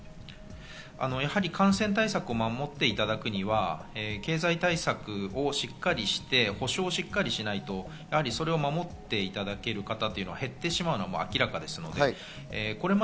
感染対策を守っていただくには経済対策をしっかりして、補償しっかりしないとそれを守っていただける方というのが減ってしまうことが明らかです。